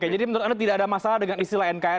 jadi menurut anda tidak ada masalah dengan istilah nkr